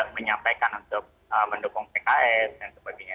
menyampaikan untuk mendukung pks dan sebagainya